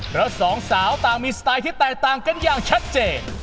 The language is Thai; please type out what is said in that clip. เพราะสองสาวต่างมีสไตล์ที่แตกต่างกันอย่างชัดเจน